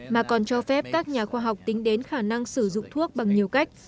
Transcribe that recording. mà còn cho phép các nhà khoa học tính đến khả năng sử dụng thuốc bằng nhiều cách